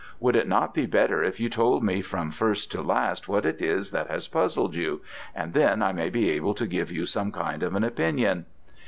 Would it not be better if you told me from first to last what it is that has puzzled you, and then I may be able to give you some kind of an opinion.'